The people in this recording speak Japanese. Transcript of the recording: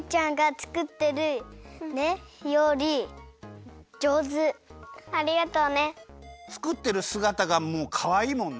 つくってるすがたがもうかわいいもんね。